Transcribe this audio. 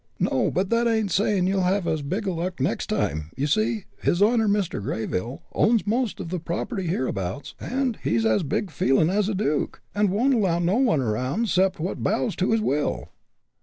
"No; but that ain't saying you'll have as big luck next time. You see, his honor, Mr. Greyville, owns most of the property hereabouts, an' he's as big feeling as a duke, and won't allow no one around 'cept what bows to his will."